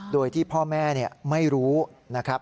โดยที่พ่อแม่ไม่รู้นะครับ